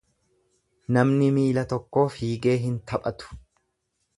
Namni miila tokkoo fiigee hin taphatu.